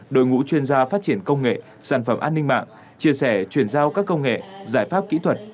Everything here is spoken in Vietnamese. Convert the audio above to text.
đội ngũ chuyên gia phát triển công nghệ sản phẩm an ninh mạng chia sẻ chuyển giao các công nghệ giải pháp kỹ thuật